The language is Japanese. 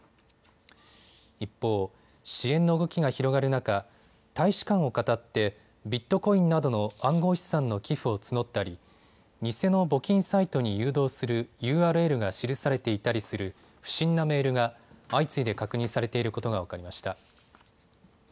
一方、支援の動きが広がる中、大使館をかたってビットコインなどの暗号資産の寄付を募ったり偽の募金サイトに誘導するＵＲＬが記されていたりする不審なメールが相次いで確認されていることが分かりました。